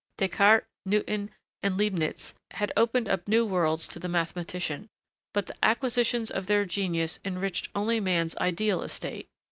Descartes, Newton, and Leibnitz had opened up new worlds to the mathematician, but the acquisitions of their genius enriched only man's ideal estate.